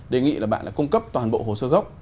đề nghị bạn cung cấp toàn bộ hồ sơ gốc